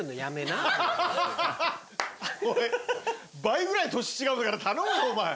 倍ぐらい年違うから頼むよお前。